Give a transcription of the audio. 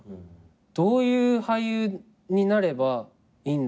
どういう俳優になればいいんだろう。